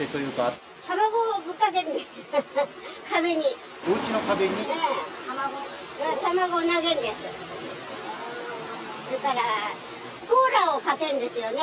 それからコーラをかけるんですよね。